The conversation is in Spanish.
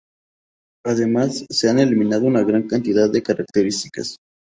Además, se han eliminado una gran cantidad de características.